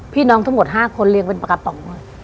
พี่น้องทั้งหมด๕คนเรียงเป็นปากกะป๋อง